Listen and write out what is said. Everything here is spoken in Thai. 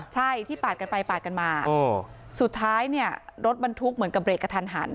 ใช่ที่ปาดกันไปปาดกันมาสุดท้ายเนี่ยรถบรรทุกเหมือนกับเบรกกระทันหัน